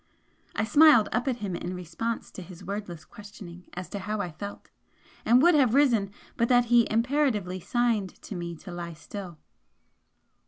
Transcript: I smiled up at him in response to his wordless questioning as to how I felt, and would have risen but that he imperatively signed to me to lie still.